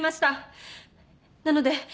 なので。